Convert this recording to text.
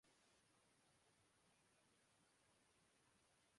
دوسری کے ذمہ برتن دھونا